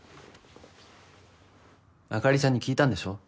あかりちゃんに聞いたんでしょ？